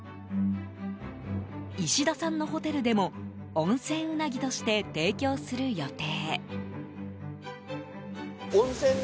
石田さんのホテルでも温泉うなぎとして提供する予定。